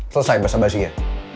selesai basa basi ya